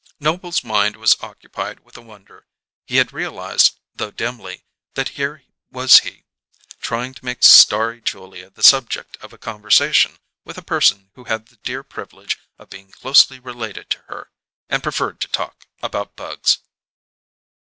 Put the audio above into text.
Noble's mind was occupied with a wonder; he had realized, though dimly, that here was he, trying to make starry Julia the subject of a conversation with a person who had the dear privilege of being closely related to her and preferred to talk about bugs.